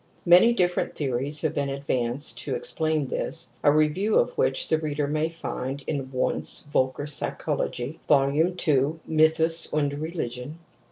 Many different theories have been advanced to explain this, a review of which the reader may find in Wundt's Voelkerpsychologie (Vol. II : Mythus und Religion).